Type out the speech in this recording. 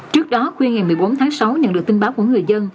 trước đó khuya ngày một mươi bốn tháng sáu nhận được tin báo của người dân